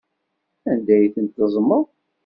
Anda ay tent-teẓẓmeḍ?